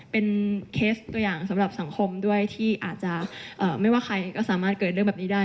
เป็นเคสตัวอย่างสำหรับสังคมด้วยที่อาจจะไม่ว่าใครก็สามารถเกิดเรื่องแบบนี้ได้